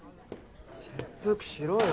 切腹しろよ。